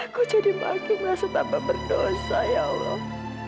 aku jadi makin masuk tanpa berdosa ya allah